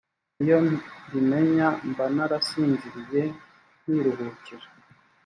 iyo mbimenya mba narasinziriye nkiruhukira